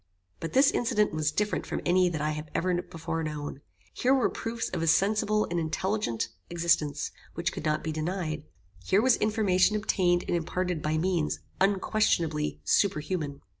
But this incident was different from any that I had ever before known. Here were proofs of a sensible and intelligent existence, which could not be denied. Here was information obtained and imparted by means unquestionably super human.